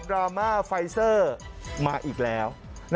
ราม่าไฟเซอร์มาอีกแล้ว